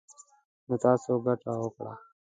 نـو تـاسو ګـټـه وكړه.